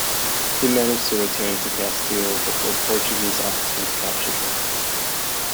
He managed to return to Castile before Portuguese officers captured him.